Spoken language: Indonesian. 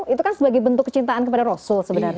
itu kan sebagai bentuk kecintaan kepada rasul sebenarnya